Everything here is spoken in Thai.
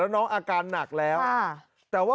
แล้วน้องอาการหนักแล้ว